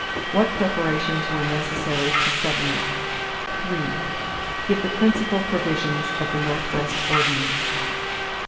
What preparations were necessary to settlement? 3. Give the principal provisions of the Northwest Ordinance.